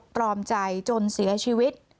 ตรอมใจจนเสียชีวิต